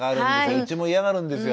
うちも嫌がるんですよ。